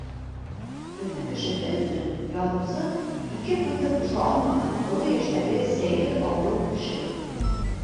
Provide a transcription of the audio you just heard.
Өфө кешеһе өсөн яҙыусы — ике һүҙҙе ҡуша алмаған оло йәштәге сәйер, ауырыу кеше.